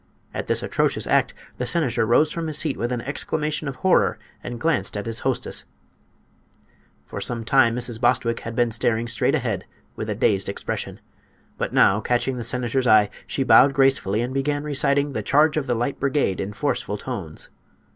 At this atrocious act the senator rose from his seat with an exclamation of horror and glanced at his hostess. For some time Mrs. Bostwick had been staring straight ahead, with a dazed expression; but now, catching the senator's eye, she bowed gracefully and began reciting "The Charge of the Light Brigade" in forceful tones.